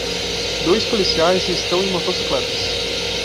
Dois policiais e estão em motocicletas.